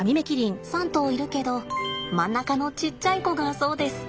３頭いるけど真ん中のちっちゃい子がそうです。